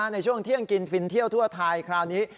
ในช่วงเที่ยงกินฟินเที่ยวทั่วไทยคราวนี้